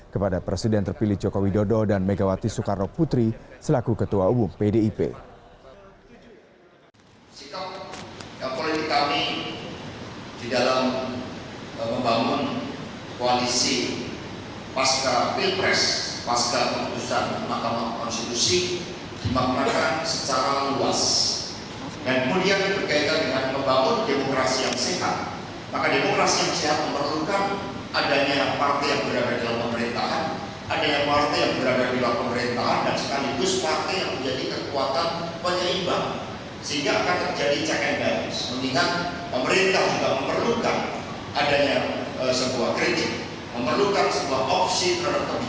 kepada presiden terpilih jokowi dodo dan megawati soekarno putri selaku ketua umum pdip